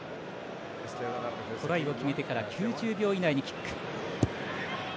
トライを決めてから９０秒以内にキック。